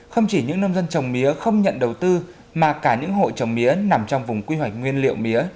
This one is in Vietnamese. không chỉ những nông dân trồng mía không nhận đầu tư mà cả những hộ trồng mía nằm trong vùng quy hoạch nguyên liệu mía